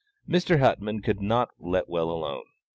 Mr. Huttman could not let well alone.